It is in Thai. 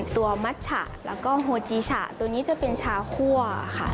มัชฉะแล้วก็โฮจีฉะตัวนี้จะเป็นชาคั่วค่ะ